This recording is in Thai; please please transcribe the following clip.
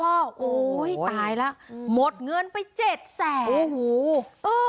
โอ้โหตายแล้วหมดเงินไปเจ็ดแสนโอ้โหเออ